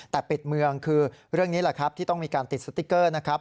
แต่ปิดเมืองคือเรื่องนี้แหละครับที่ต้องมีการติดสติ๊กเกอร์นะครับ